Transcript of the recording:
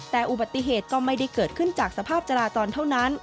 แต่อุบัติเหตุก็ไม่ได้เกิดขึ้นจากสภาพจราจรเท่านั้น